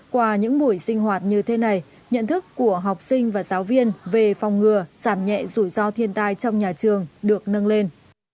qua những buổi sinh hoạt như thế này nhận thức của học sinh và giáo viên về phòng ngừa giảm nhẹ rủi ro thiên tai trong nhà trường được nâng lên